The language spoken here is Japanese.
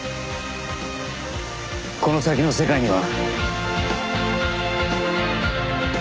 この先の世界には。